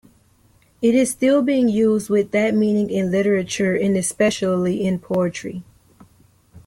It is still being used with that meaning in literature and especially in poetry.